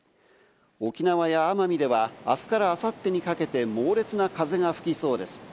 沖縄や奄美では、あすからあさってにかけて猛烈な風が吹きそうです。